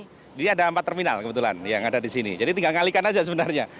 jadi ada empat terminal kebetulan yang ada di sini jadi tinggal ngalikan aja sebenarnya